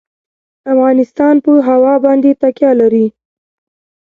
افغانستان په هوا باندې تکیه لري.